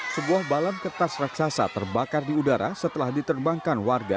sebuah balon kertas raksasa terbakar di udara setelah diterbangkan warga